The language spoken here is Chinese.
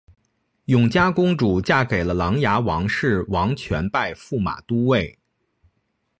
永嘉公主嫁给了琅琊王氏王铨拜驸马都尉。